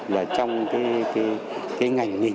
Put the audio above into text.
là trong cái ngành nghìn